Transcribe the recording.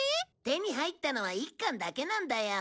手に入ったのは１巻だけなんだよ。